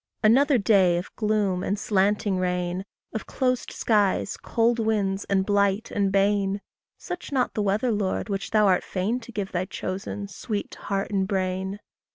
Another day of gloom and slanting rain! Of closed skies, cold winds, and blight and bane! Such not the weather, Lord, which thou art fain To give thy chosen, sweet to heart and brain!